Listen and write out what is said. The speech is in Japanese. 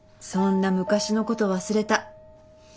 そんな昔のこと忘れた。